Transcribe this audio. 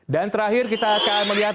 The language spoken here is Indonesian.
dan terakhir kita akan melihat